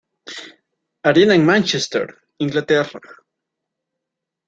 Arena en Mánchester, Inglaterra.